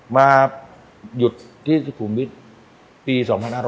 มาหยุดที่สุขุมวิทย์ปี๒๕๕๙